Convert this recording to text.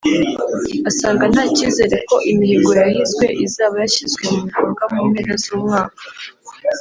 asanga nta cyizere ko imihigo yahizwe izaba yashyizwe mu bikorwa mu mpera z’umwaka